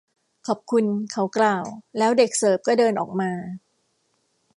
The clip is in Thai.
ขอบคุณ เขากล่าว แล้วเด็กเสิร์ฟก็เดินออกมา